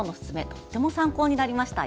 とても参考になりました。